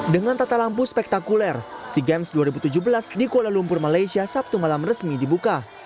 dengan tata lampu spektakuler sea games dua ribu tujuh belas di kuala lumpur malaysia sabtu malam resmi dibuka